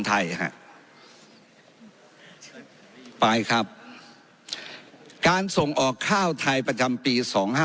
ไปครับการส่งออกข้าวไทยประจำปี๒๕๖